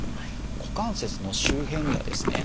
股関節の周辺にはですね